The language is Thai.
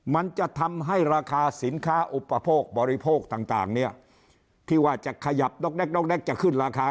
มันจะทำให้ราคาสินค้าอุปโภคบริโภคต่างเนี่ยที่ว่าจะขยับด็อกแก๊อกแก๊กจะขึ้นราคา